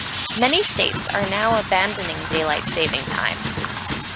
Many states are now abandoning Daylight Saving Time.